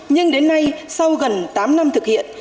nhưng đến nay sau gần tám năm thực hiện